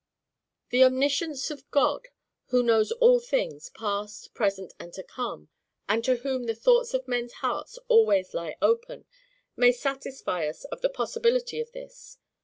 The omniscience of God, who knows all things, past, present, and to come, and to whom the thoughts of men's hearts always lie open, may satisfy us of the possibility of this.